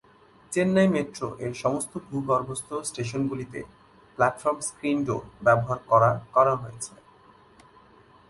চেন্নাই মেট্রো-এর সমস্ত ভূগর্ভস্থ স্টেশনগুলিতে প্ল্যাটফর্ম স্ক্রিন ডোর ব্যবহার করা করা হয়েছে।